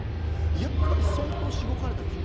やっぱり相当しごかれたでしょう？